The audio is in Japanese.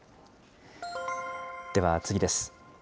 では次です。